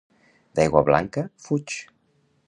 D'aigua blanca, fuig.